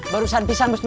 barusan pisang mas brai